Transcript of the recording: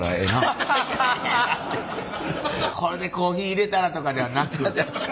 これでコーヒーいれたらとかではなくて？